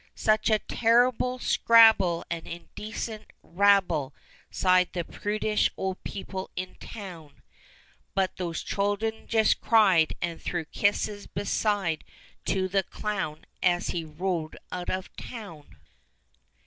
Such a terrible scrabble and indecent rabble !" Sighed the prudish old people in town ; But those children just cried, and threw kisses, beside, to the clown. As he rode out of town.